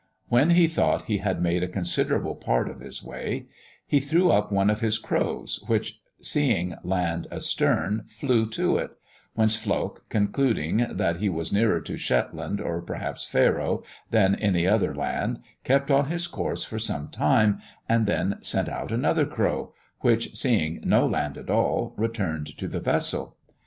When he thought he had made a considerable part of his way, he threw up one of his crows, which, seeing land astern, flew to it; whence Flok, concluding that he was nearer to Shetland (or perhaps Faroë) than any other land, kept on his course for some time, and then sent out another crow, which, seeing no land at all, returned to the vessel.